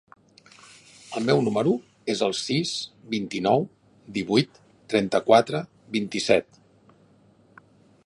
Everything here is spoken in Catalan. El meu número es el sis, vint-i-nou, divuit, trenta-quatre, vint-i-set.